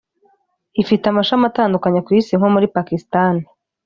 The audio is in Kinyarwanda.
Ifite amashami atandukanye ku isi nko muri Pakistan